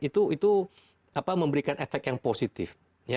itu memberikan efek yang positif